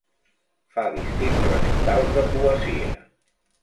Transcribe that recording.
Fa distints recitals de poesia.